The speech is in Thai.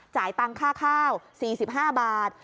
ตังค่าข้าว๔๕บาท